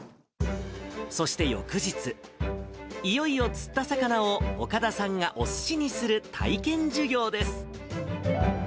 そして翌日、いよいよ釣った魚を岡田さんがおすしにする体験授業です。